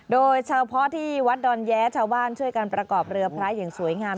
โดยเฉพาะที่วัดดอนแย้ชาวบ้านช่วยกันประกอบเรือพระอย่างสวยงาม